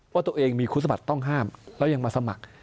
ว่าตัวเองมีคุณสมัครต้องห้ามแล้วยังมาสมัคร